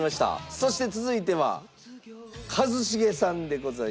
そして続いては一茂さんでございます。